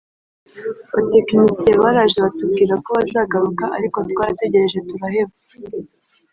Abatekinisiye baraje batubwira ko bazagaruka ariko twarategereje turaheba